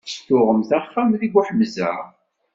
Tuɣemt axxam deg Buḥemza?